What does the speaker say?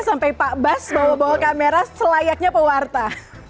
sampai pak bas bawa bawa kamera selayaknya pewarta